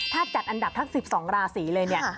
ถ้าจัดอันดับทั้ง๑๒ราศีเลยเนี่ย